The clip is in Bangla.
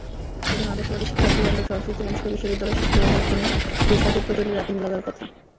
একজন আদর্শবাদী, শিক্ষার্থীবান্ধব, সংস্কৃতিমনস্ক বিশ্ববিদ্যালয় শিক্ষকের এহেন খুনে দেশটাতে প্রচণ্ড ঝাঁকুনি লাগার কথা।